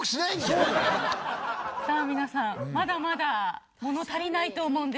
さあ皆さんまだまだ物足りないと思うんですけど。